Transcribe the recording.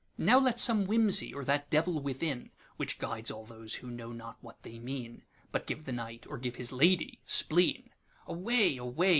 Now let some whimsy, or that Devil withinWhich guides all those who know not what they mean, But give the Knight (or give his Lady) spleen;'Away, away!